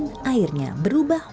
dan pelan pelan airnya berubah warna